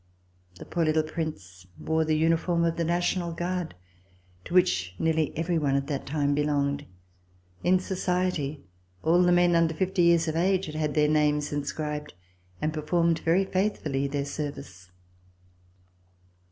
The poor little Prince wore the uniform of the National Guard, to which nearly every one at that time belonged. In society all the men under fifty years of age had had their names inscribed, and performed very faithfully their service.